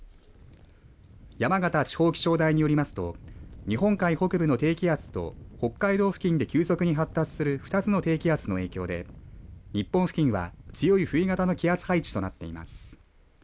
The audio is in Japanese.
山形地方気象台によりますと日本海北部の低気圧と北海道付近で急速に発達する２つの低気圧の影響で日本付近は、強い冬型の気圧配置となっています。